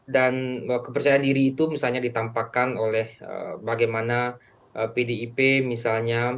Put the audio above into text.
dan kepercayaan diri itu misalnya ditampakkan oleh bagaimana pdip misalnya